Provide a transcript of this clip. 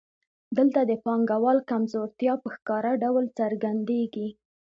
دلته د پانګوال کمزورتیا په ښکاره ډول څرګندېږي